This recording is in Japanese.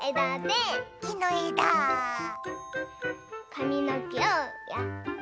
かみのけをやって。